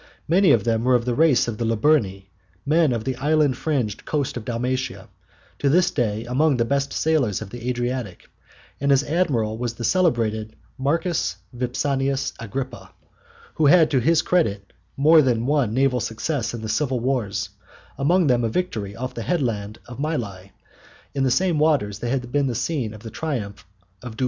Many of them were of the race of the Liburni, men of the island fringed coast of Dalmatia, to this day among the best sailors of the Adriatic, and his admiral was the celebrated Marcus Vipsanius Agrippa, who had to his credit more than one naval success in the civil wars, amongst them a victory won off the headland of Mylæ, in the same waters that had been the scene of the triumph of Duilius.